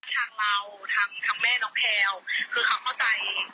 ทางเราทางแม่น้องแพลวคือเขาเข้าใจ